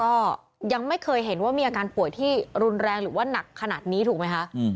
ก็ยังไม่เคยเห็นว่ามีอาการป่วยที่รุนแรงหรือว่าหนักขนาดนี้ถูกไหมคะ